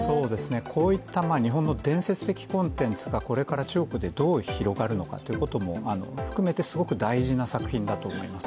こういった日本の伝説的コンテンツがこれから中国でどう広がるのかということも含めてすごく大事な作品だと思います。